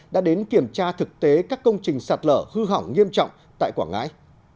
đã đến kiểm tra thực tế các công trình sạt lở hư hỏng nghiêm trọng tại quảng ngãi